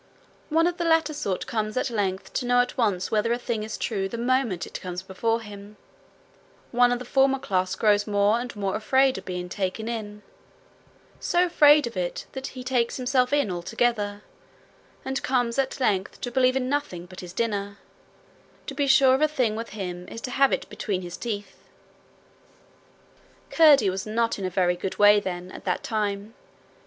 One of the latter sort comes at length to know at once whether a thing is true the moment it comes before him; one of the former class grows more and more afraid of being taken in, so afraid of it that he takes himself in altogether, and comes at length to believe in nothing but his dinner: to be sure of a thing with him is to have it between his teeth. Curdie was not in a very good way, then, at that time.